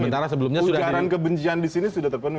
ujaran kebencian disini sudah terpenuhi